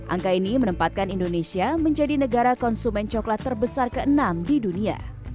angka ini menempatkan indonesia menjadi negara konsumen coklat terbesar ke enam di dunia